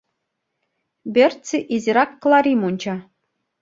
Берци изирак Кларим онча.